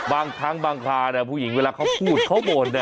บางครั้งบางคราผู้หญิงเวลาเขาพูดเขาบ่น